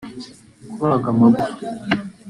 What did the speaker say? kubaga amagupfa